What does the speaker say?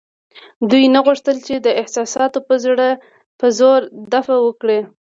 دوی نه غوښتل چې د احساساتو په زور دفاع وکړي.